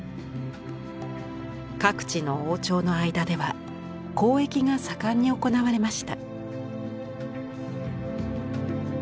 各地の王朝の間では交易が盛んに行われました。